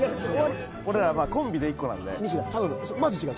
俺らコンビで１個なんでニシダ頼む